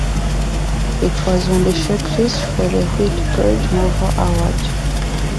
It was on the shortlist for the Whitbread Novel Award.